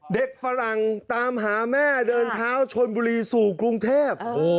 ฝรั่งตามหาแม่เดินเท้าชนบุรีสู่กรุงเทพ